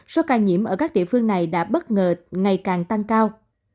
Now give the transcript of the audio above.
số ca nhiễm ở các địa phương này đã bất ngờ ngày càng tăng cao